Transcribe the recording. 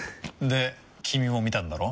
で君も見たんだろ？